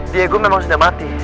diego memang sudah mati